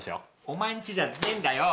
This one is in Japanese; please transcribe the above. お前んちじゃねえんだよ！